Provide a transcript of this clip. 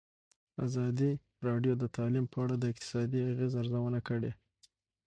ازادي راډیو د تعلیم په اړه د اقتصادي اغېزو ارزونه کړې.